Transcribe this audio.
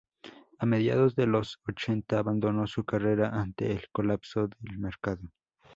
A mediados de los ochenta, abandonó su carrera ante el colapso del mercado.